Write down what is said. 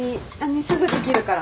すぐできるから。